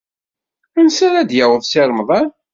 Ansa ara d-yaweḍ Si Remḍan?